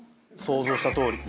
想像したとおり。